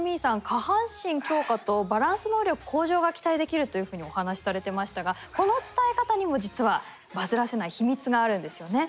下半身強化とバランス能力向上が期待できるというふうにお話しされてましたがこの伝え方にも実はバズらせない秘密があるんですよね。